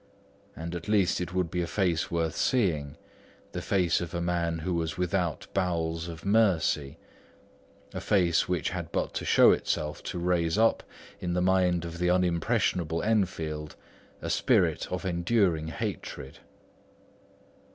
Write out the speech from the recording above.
At least it would be a face worth seeing: the face of a man who was without bowels of mercy: a face which had but to show itself to raise up, in the mind of the unimpressionable Enfield, a spirit of enduring hatred.